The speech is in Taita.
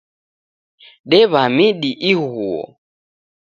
Dew'a midi ighuo